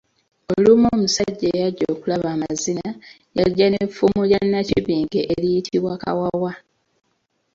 Olumu omusajja eyajja okulaba amazina, yajja n'effumu lya Nnakibinge eriyitibwa Kawawa.